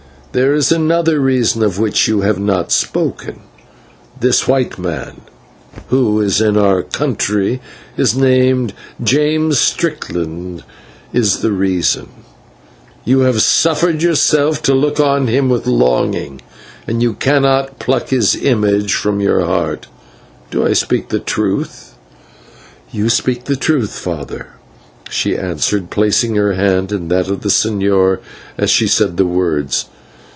There is another reason of which you have not spoken. This white man, who in his own country is named James Strickland, is the reason. You have suffered yourself to look on him with longing, and you cannot pluck his image from your breast. Do I not speak truth?" "You speak truth, father," she answered, placing her hand in that of the señor as she said the words.